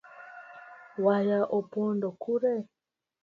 Waya opondo kure?